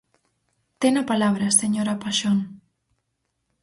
Ten a palabra a señora Paxón.